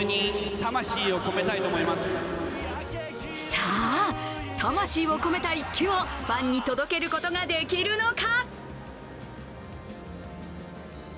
さあ、魂を込めた一球をファンに届けることができるのか。